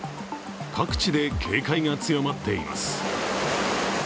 各地で警戒が強まっています。